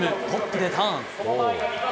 トップでターン。